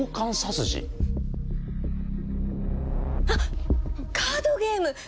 あカードゲーム！